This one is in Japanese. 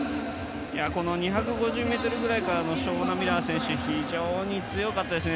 ２５０くらいからショーニー・ミラー選手非常に強かったですね。